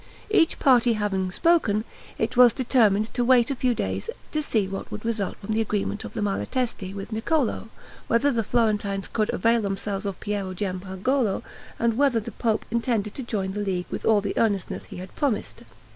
Each party having spoken, it was determined to wait a few days to see what would result from the agreement of the Malatesti with Niccolo; whether the Florentines could avail themselves of Piero Giampagolo, and whether the pope intended to join the League with all the earnestness he had promised.